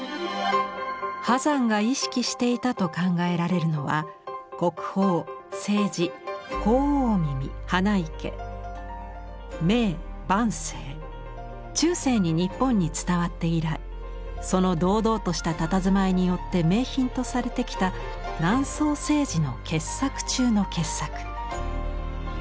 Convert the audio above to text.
波山が意識していたと考えられるのは中世に日本に伝わって以来その堂々としたたたずまいによって名品とされてきた南宋青磁の傑作中の傑作。